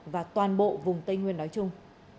và toàn bộ vùng tây nguyên nói chung